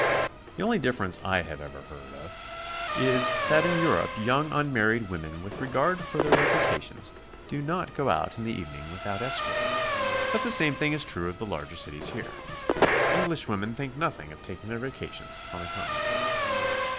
The only differ ence I have ever heard of, is that in Europe young unmarried woimen with regard for their reputations do not go out in the evening without escort, but the same thing is true of the larger cities here. English women think nothing of taking their vacations on the Continent.